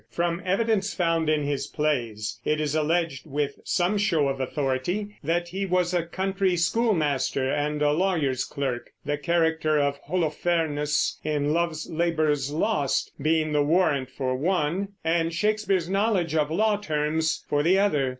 From evidence found in his plays, it is alleged with some show of authority that he was a country schoolmaster and a lawyer's clerk, the character of Holofernes, in Love's Labour's Lost, being the warrant for one, and Shakespeare's knowledge of law terms for the other.